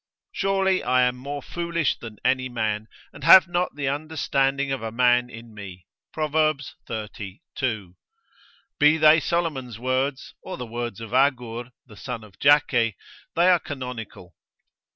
Surely I am more foolish than any man, and have not the understanding of a man in me, Prov. xxx. 2. Be they Solomon's words, or the words of Agur, the son of Jakeh, they are canonical.